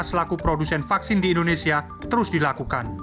selaku produsen vaksin di indonesia terus dilakukan